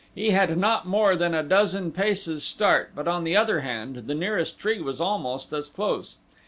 He had not more than a dozen paces start, but on the other hand the nearest tree was almost as close.